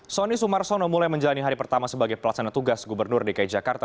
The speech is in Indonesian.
soni sumarsono mulai menjalani hari pertama sebagai pelaksana tugas gubernur dki jakarta